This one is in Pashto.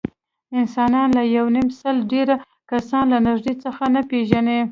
انسانان له یونیمسل ډېر کسان له نږدې څخه نه پېژني.